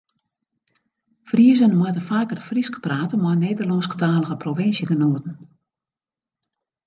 Friezen moatte faker Frysk prate mei Nederlânsktalige provinsjegenoaten.